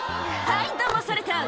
「はいダマされた」